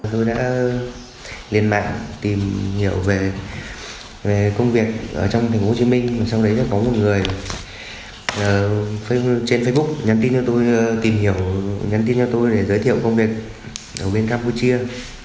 tôi đã liên mạng tìm hiểu về công việc trong tp hcm sau đấy có một người trên facebook nhắn tin cho tôi để giới thiệu công việc ở campuchia